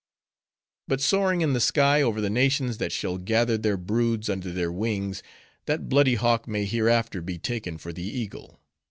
"But, soaring in the sky over the nations that shall gather their broods under their wings, that bloody hawk may hereafter be taken for the eagle.